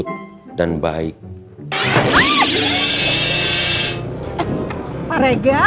tapi saya tahu hati kamu itu tidak akan berubah